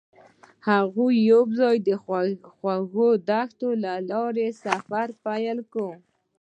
هغوی یوځای د خوږ دښته له لارې سفر پیل کړ.